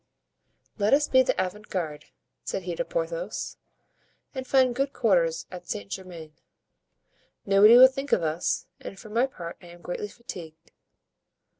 "Let us be the avant guard," said he to Porthos, "and find good quarters at Saint Germain; nobody will think of us, and for my part I am greatly fatigued."